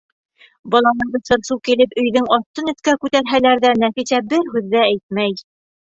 Балалары сыр-сыу килеп өйҙөң аҫтын-өҫкә күтәрһәләр ҙә Нәфисә бер һүҙ ҙә әйтмәй.